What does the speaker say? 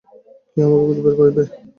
কেউ আমাদের খুঁজে বের করবে।